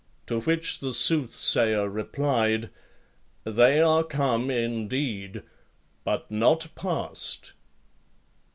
To which the soothsayer replied, "They are come, indeed, but not past."